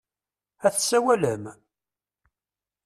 Ad d-tsawalem?